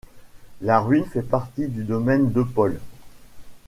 La ruine fait partie du domaine De Poll.